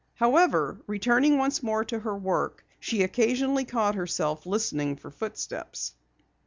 However, returning once more to her work, she occasionally caught herself listening for footsteps.